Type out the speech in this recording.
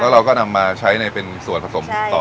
เราก็นำมาใช้ในเป็นส่วนผสมต่อ